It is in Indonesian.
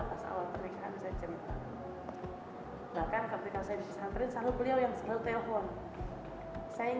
palingnya kalau ada mas anas